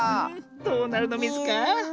どうなるのミズか？